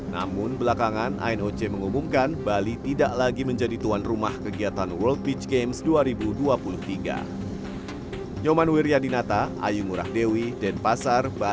namun belakangan anoc mengumumkan bali tidak lagi menjadi tuan rumah kegiatan world beach games dua ribu dua puluh tiga